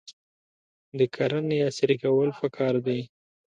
د کرنې عصري کول پکار دي.